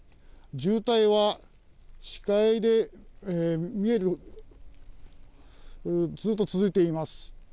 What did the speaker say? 渋滞は見える範囲でずっと続いています。